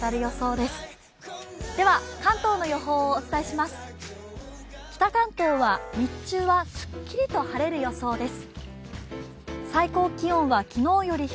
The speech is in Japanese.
では、関東の予報をお伝えします。